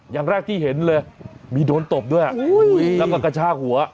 อย่างแรกที่เห็นเลยมีโดนตบด้วยแล้วก็กระชากหัว